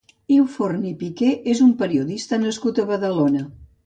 Iu Forn i Piquer és un periodista nascut a Badalona.